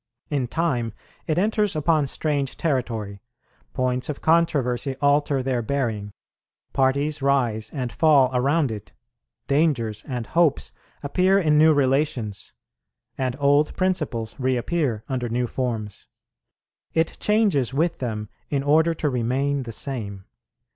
In time it enters upon strange territory; points of controversy alter their bearing; parties rise and fall around it; dangers and hopes appear in new relations; and old principles reappear under new forms. It changes with them in order to remain the same.